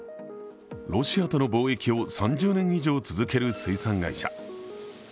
ロシアとの貿易を３０年以上続ける水産会社。